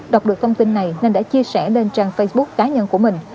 đọc được thông tin này nên đã chia sẻ lên trang facebook cá nhân của mình